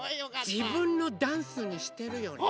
じぶんのダンスにしてるよね。